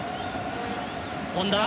本田。